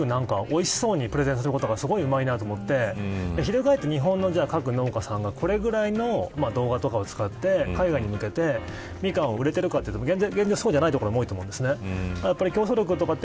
中国の動画でミカンをすごくおいしそうにプレゼンすることがすごいうまいなと思って翻って日本の各農家さんがこれぐらいの動画とかを使って海外に向けてミカンが売れているかというと現状、そうじゃないところが多いと思います。